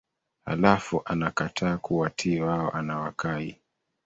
halafu anakataa kuwatii wao anawakai